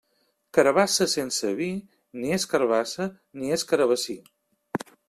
Carabassa sense vi, ni és carabassa ni carabassí.